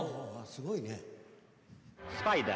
すごいね。